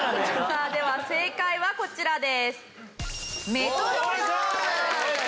さあでは正解はこちらです。